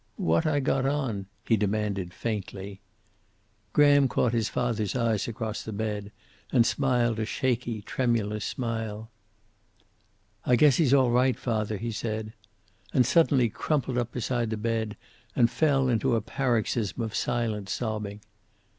"What I got on?" he demanded, faintly. Graham caught his father's eyes across the bed, and smiled a shaky, tremulous smile. "I guess he's all right, Father," he said. And suddenly crumpled up beside the bed, and fell into a paroxysm of silent sobbing.